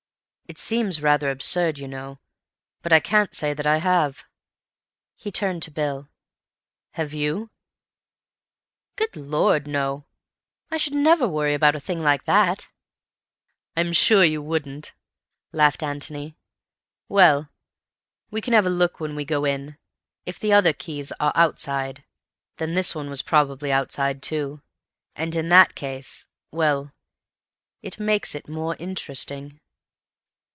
"It seems rather absurd, you know, but I can't say that I have." He turned to Bill. "Have you?" "Good Lord, no. I should never worry about a thing like that." "I'm sure you wouldn't," laughed Antony. "Well, we can have a look when we go in. If the other keys are outside, then this one was probably outside too, and in that case—well, it makes it more interesting."